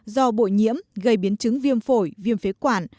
do bội nhiễm gây biến chứng viêm phổi viêm phế quản